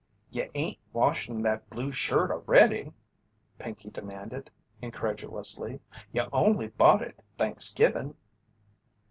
"You ain't washin' that blue shirt a'ready?" Pinkey demanded, incredulously. "You only bought it Thanksgivin'."